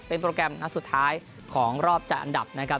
เป็นโปรแกรมหนักสุดท้ายของรอบจากอันดับ